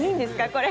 これ。